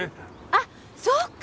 あっそっか！